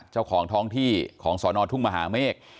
เจ้าของท้องที่ของสอนอทุ่งมหาเมฆ